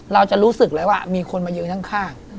เราจะรู้สึกเลยว่ามีคนมายืนข้าง